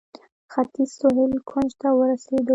ختیځ سهیل کونج ته ورسېدو.